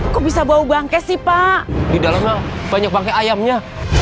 kok bisa bau bangkes sih pak di dalamnya banyak bangke ayamnya